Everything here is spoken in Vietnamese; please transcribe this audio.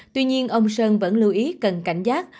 tuy nhiên ông sơn vẫn lưu ý cần cảnh giác